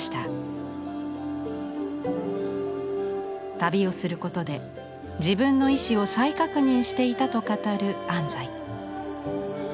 旅をすることで自分の意志を再確認していたと語る安西。